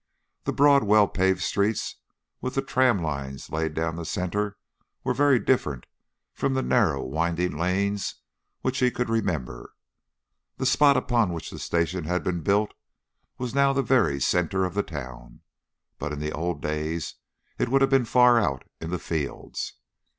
The broad, well paved streets, with the tram lines laid down the centre, were very different from the narrow winding lanes which he could remember. The spot upon which the station had been built was now the very centre of the town, but in the old days it would have been far out in the fields.